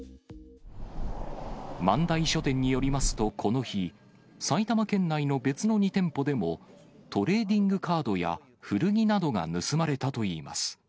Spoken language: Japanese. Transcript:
万代書店によりますと、この日、埼玉県内の別の２店舗でも、トレーディングカードや古着などが盗まれたといいます。